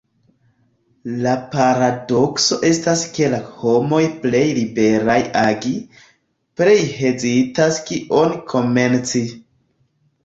La paradokso estas ke la homoj plej liberaj agi, plej hezitas kion komenci.